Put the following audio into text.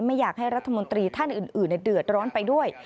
ไม่อยากให้รัฐมนตรีท่านอื่นเดือดร้อนไปด้วย